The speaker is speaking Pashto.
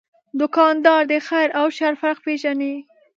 دوکاندار د خیر او شر فرق پېژني.